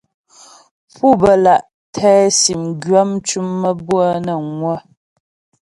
Pú bə́́ lǎ' tɛ sìm gwyə̌ mcʉ̀m maə́bʉə̌'ə nə́ ŋwə̌.